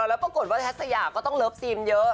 แล้วปรากฏว่าแท็สยาก็ต้องเลิฟซีมเยอะ